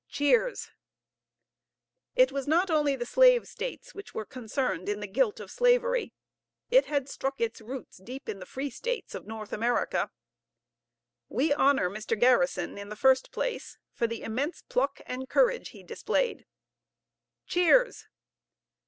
(Cheers.) It was not only the Slave states which were concerned in the guilt of slavery; it had struck its roots deep in the free States of North America. We honor Mr. Garrison, in the first place, for the immense pluck and courage he displayed. (Cheers.)